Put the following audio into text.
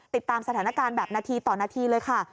ติดตามสถานการณ์แบบนาทีต่อนาทีเลยค่ะ